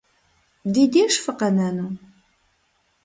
Ди деж фыкъэнэну?